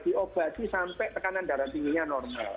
diobati sampai tekanan darah tingginya normal